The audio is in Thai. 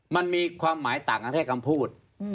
มันมีความหมายต่างกันแค่คำพูด